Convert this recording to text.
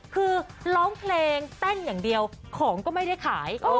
คือร้องเพลงเต้นอย่างเดียวของก็ไม่ได้ขาย